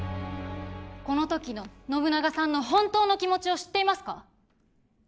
この時の信長さんの本当の気持ちを知っていますか？